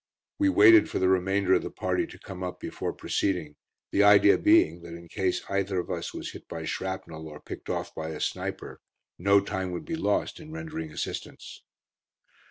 We waited for the remainder of the party to come up before proceeding, the idea being that in case either of us was hit by shrapnel, or picked off by a sniper, no time would be lost in rendering assistance.